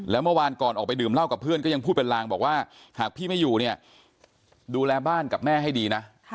แล้วเมื่อวานก่อนออกไปดื่มเหล้ากับเพื่อนก็ยังพูดเป็นลางบอกว่าหากพี่ไม่อยู่เนี่ยดูแลบ้านกับแม่ให้ดีนะ